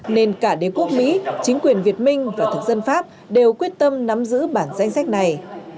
nên cả đế quốc mỹ chính quyền việt minh và thực dân pháp đều quyết tâm nắm giữ bản danh sách này